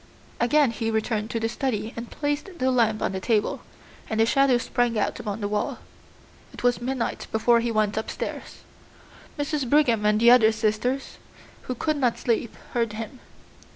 Again he returned to the study and placed the lamp on the table, and the shadow sprang out upon the wall. It was midnight before he went upstairs. Mrs. Brigham and the other sisters, who could not sleep, heard him.